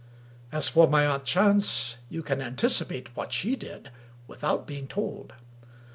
As for my aunt Chance, you can anticipate what she did, without being told.